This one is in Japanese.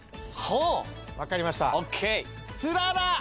分かりました。